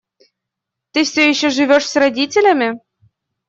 Ты все еще живешь с родителями?